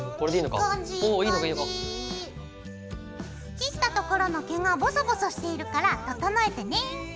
切ったところの毛がボソボソしているから整えてね。